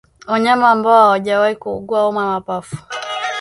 Wanyama ambao hawajawahi kuugua homa ya mapafu